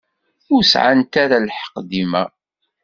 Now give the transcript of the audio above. Ur sεant ara lḥeqq dima.